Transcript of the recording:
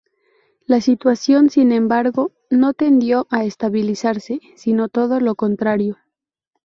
La situación, sin embargo, no tendió a estabilizarse, sino todo lo contrario.